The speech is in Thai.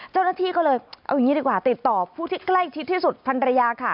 เจ้าหน้าที่ก็เลยเอาอย่างนี้ดีกว่าติดต่อผู้ที่ใกล้ชิดที่สุดพันรยาค่ะ